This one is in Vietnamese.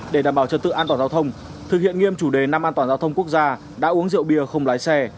để đảm bảo trật tự an toàn giao thông thực hiện nghiêm chủ đề năm an toàn giao thông quốc gia đã uống rượu bia không lái xe